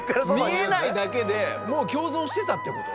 見えないだけでもう共存してたってこと？